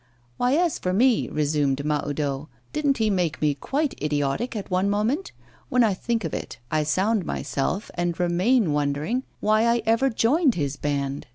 'Why, as for me,' resumed Mahoudeau, 'didn't he make me quite idiotic at one moment? When I think of it, I sound myself, and remain wondering why I ever joined his band.